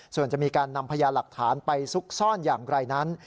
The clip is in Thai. ส่วนจะมีการนำพยานหลักฐานไปซุกซ่อนอย่างไรนั้น